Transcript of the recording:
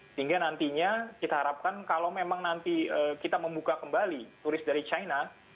sehingga nantinya kita harapkan kalau memang nanti kita membuka kembali turis dari china